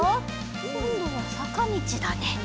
こんどはさかみちだね。